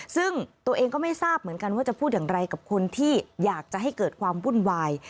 ซึ่งตัวเองก็ไม่ทราบเหมือนกันว่าจะพูดอย่างไรกับคนที่อยากจะให้เกิดความวุ่นวาย